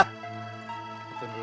tunggu dulu doro